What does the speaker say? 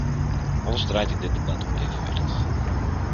Alles draait in dit debat om evenwicht.